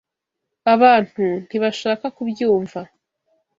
Abantu ntibashaka kubyumva.